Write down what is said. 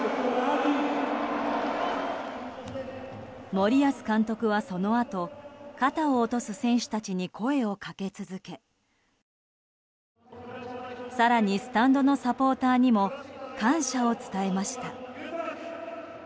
森保監督は、そのあと肩を落とす選手たちに声をかけ続け更にスタンドのサポーターにも感謝を伝えました。